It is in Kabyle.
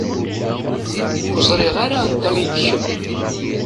Ur ẓriɣ ara anta i d kemm.